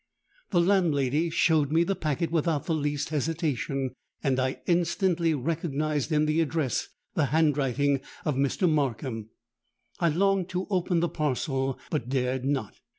'—The landlady showed me the packet without the least hesitation, and I instantly recognised in the address the handwriting of Mr. Markham. I longed to open the parcel, but dared not.